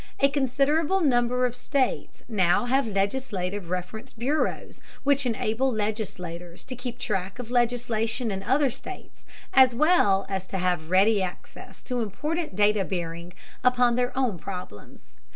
A considerable number of states now have legislative reference bureaus, which enable legislators to keep track of legislation in other states, as well as to have ready access to important data bearing upon their own problems.